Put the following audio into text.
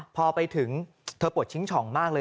พอไปถึงเธอปวดชิงช่องมากเลย